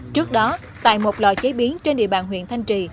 trước đó tại một lò chế biến trên địa bàn huyện thanh trì